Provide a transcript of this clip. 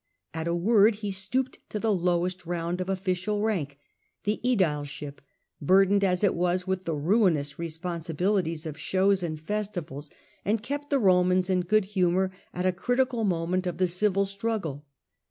At a word he stooped to the lowest round of official rank, the sedileship, burdened as it was with the ruinous responsi bilities of shows and festivals, and kept the Romans in good humour at a critical moment of the civil struggle.